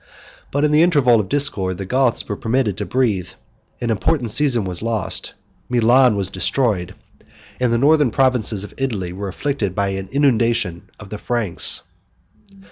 But in the interval of discord, the Goths were permitted to breathe; an important season was lost, Milan was destroyed, and the northern provinces of Italy were afflicted by an inundation of the Franks.